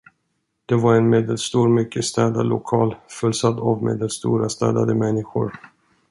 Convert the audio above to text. Det var en medelstor, mycket städad lokal, fullsatt av medelstora, städade människor.